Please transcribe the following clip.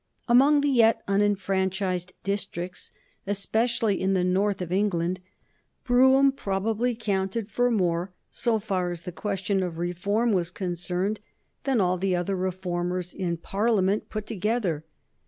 Among the yet unenfranchised districts, especially in the North of England, Brougham probably counted for more, so far as the question of reform was concerned, than all the other reformers in Parliament put together.